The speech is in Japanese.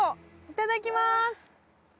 いただきます。